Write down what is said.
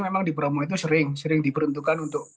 jadi untuk petugas petugas yang menghantar wisatawan anda